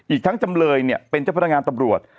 อีกทั้งจำเลยเนี่ยเป็นเจ้าพนักงานตำรวจ